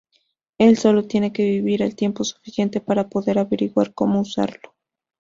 Él solo tiene que vivir el tiempo suficiente para poder averiguar como usarlo.